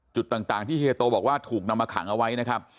จุดต่างที่เฮียโตบอกว่าถูกนำมาขังเอาไว้นะครับ